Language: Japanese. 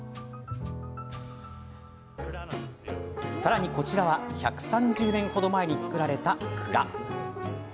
さらに、こちらは１３０年程前に造られた蔵。